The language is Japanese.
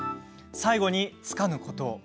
最後に、つかぬことを。